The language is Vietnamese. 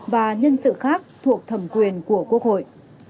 và nhân sự khác thuộc thẩm quyền của quốc hội